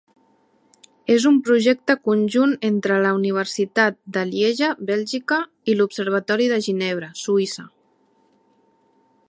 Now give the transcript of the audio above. És un projecte conjunt entre la Universitat de Lieja, Bèlgica, i l'Observatori de Ginebra, Suïssa.